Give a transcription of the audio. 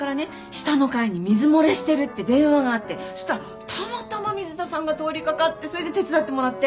下の階に水漏れしてるって電話があってそしたらたまたま水田さんが通り掛かってそれで手伝ってもらって。